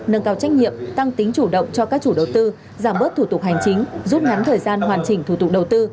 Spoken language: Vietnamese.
nâng cao trách nhiệm tăng tính chủ động cho các chủ đầu tư giảm bớt thủ tục hành chính rút ngắn thời gian hoàn chỉnh thủ tục đầu tư